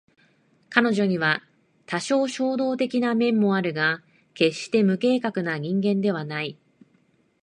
彼女には多少衝動的な面もあるが決して無計画な人間ではない